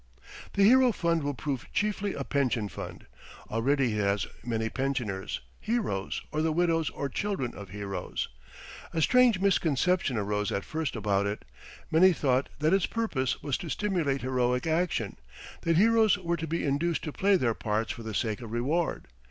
The Hero Fund will prove chiefly a pension fund. Already it has many pensioners, heroes or the widows or children of heroes. A strange misconception arose at first about it. Many thought that its purpose was to stimulate heroic action, that heroes were to be induced to play their parts for the sake of reward.